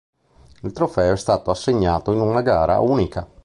Il trofeo è stato assegnato in una gara unica.